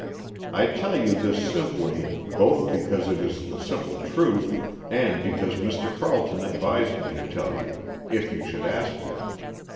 I tell you this simply, both because it is the simple truth and because Mr. Carleton advised me to tell you, if you should ask me.